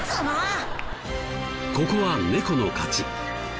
ここは猫の勝ち。